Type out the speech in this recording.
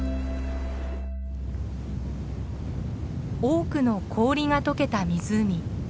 多くの氷が解けた湖。